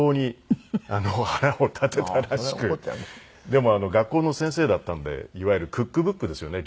でも学校の先生だったんでいわゆるクックブックですよね。